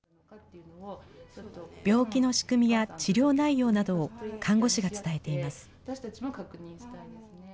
病気の仕組みや治療内容などを看護師が伝えています。